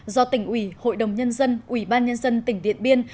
do tỉnh ủy hội đồng nhân dân ủy ban nhân dân tỉnh điện biên